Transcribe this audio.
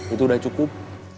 itu udah cukup